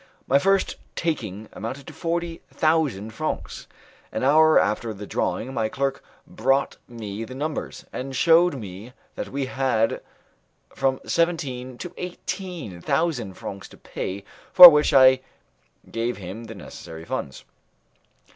My first taking amounted to forty thousand francs. An hour after the drawing my clerk brought me the numbers, and shewed me that we had from seventeen to eighteen thousand francs to pay, for which I gave him the necessary funds.